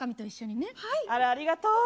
あら、ありがとう。